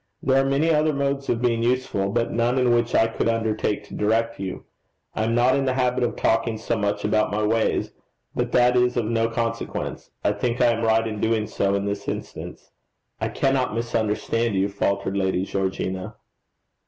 There are many other modes of being useful; but none in which I could undertake to direct you. I am not in the habit of talking so much about my ways but that is of no consequence. I think I am right in doing so in this instance.' 'I cannot misunderstand you,' faltered Lady Georgina.